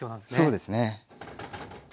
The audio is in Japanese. そうですね。